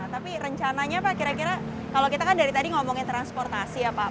tapi rencananya pak kira kira kalau kita kan dari tadi ngomongin transportasi ya pak